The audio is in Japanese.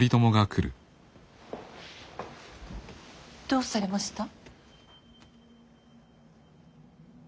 どうされました。